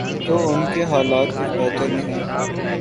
تو ان کی حالت کچھ بہتر نہیں۔